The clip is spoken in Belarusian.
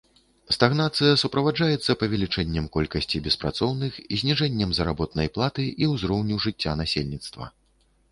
Стагнацыя суправаджаецца павелічэннем колькасці беспрацоўных, зніжэннем заработнай платы і ўзроўню жыцця насельніцтва.